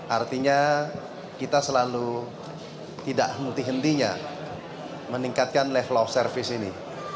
artinya kita selalu tidak multi hentinya meningkatkan level of service ini